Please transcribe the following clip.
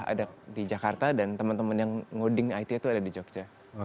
ada di jakarta dan teman teman yang ngoding it itu ada di jogja